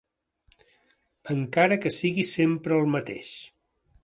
Encara que sigui sempre el mateix.